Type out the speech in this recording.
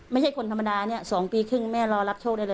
ไม่ใช่คนธรรมดาเนี่ย๒ปีครึ่งแม่รอรับโชคได้เลย